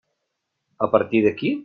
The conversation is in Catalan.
A partir d'aquí?